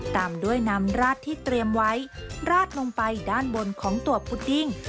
ตามด้วยนำราดที่เตรียมไว้ราดลงไปด้านบนของตัวพุดดิ้ง